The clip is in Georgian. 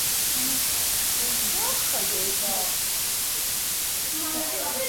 არაა ცნობილი იყო თუ არა მისი გარდაცვალების მიზეზი ფტორთან დაკავშირებული მისი ექსპერიმენტები.